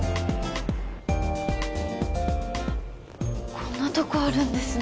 こんなとこあるんですね